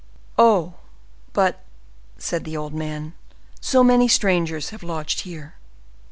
"Oh! but," said the old man, "so many strangers have lodged here!"